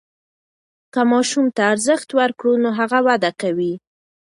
که ماسوم ته ارزښت ورکړو نو هغه وده کوي.